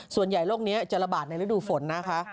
ส่วนใหญ่โรคนี้จะระบาดในฤดูฝนนะคะ